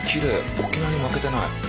沖縄に負けてない。